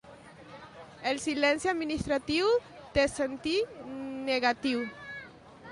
El silenci administratiu té sentit negatiu.